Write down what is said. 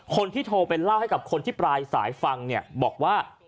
คนที่โทรไปเล่าให้กับคนที่ปลายสายฟังเนี่ยบอกว่า